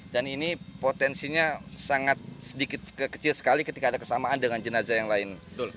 dan ini potensinya sangat sedikit kecil sekali ketika ada kesamaan dengan jenazah yang lain